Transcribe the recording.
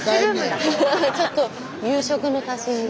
ちょっと夕食の足しに。